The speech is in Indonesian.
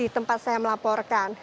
tempat saya melaporkan